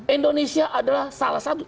indonesia adalah salah satu